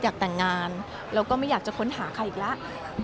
อยากแต่งงานแล้วก็ไม่อยากจะค้นหาใครอีกแล้ว